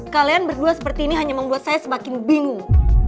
kalian berdua seperti ini hanya membuat saya semakin bingung